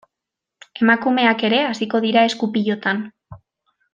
Emakumeak ere hasi dira esku-pilotan.